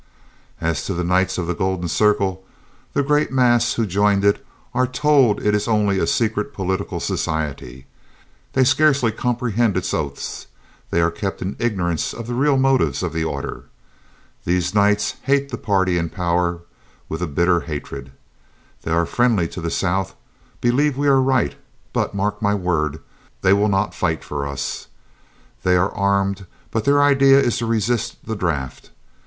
"As to the Knights of the Golden Circle, the great mass who join it are told it is only a secret political society. They scarcely comprehend its oaths; they are kept in ignorance of the real motives of the order. These Knights hate the party in power with a bitter hatred. They are friendly to the South, believe we are right; but mark my word, they will not fight for us. They are armed, but their idea is to resist the draft.